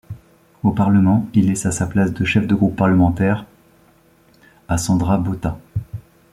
Au parlement, il laissa sa place de chef de groupe parlementaire à Sandra Botha.